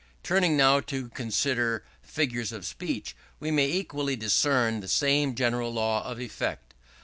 Turning now to consider figures of speech, we may equally discern the same general law of effect.